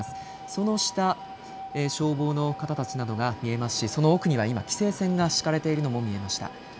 その下、消防の方たちなどが見えますしその奥には今、規制線が敷かれているのも見えました。